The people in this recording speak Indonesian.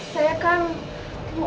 saya kan mau pelajari